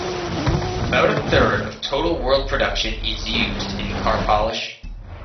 About a third of total world production is used in car polish.